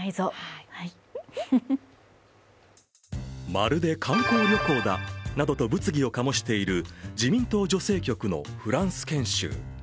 「まるで観光旅行だ」など物議を醸している自民党女性局のフランス研修。